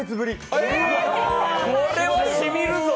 これはしみるぞ！